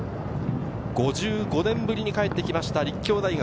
５５年ぶりに帰ってきました立教大学。